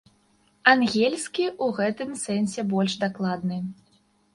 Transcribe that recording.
Ангельскі ў гэтым сэнсе больш дакладны.